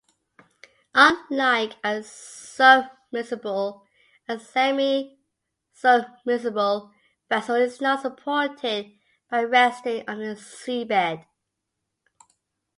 Unlike a submersible, a semi-submersible vessel is not supported by resting on the seabed.